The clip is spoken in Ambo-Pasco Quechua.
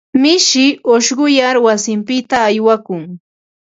Mishi ushquyar wasinpita aywakun.